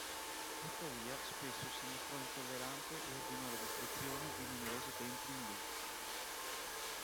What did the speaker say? Tuttavia, spesso si mostrò intollerante e ordinò la distruzione di numerosi templi indù.